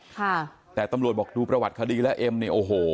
ค่ะแต่ตำรวจบอกดูประวัติคดีแล้วเอ็มเนี่ยโอ้โห